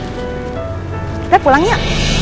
jadi masalahnya sekarang udah selesai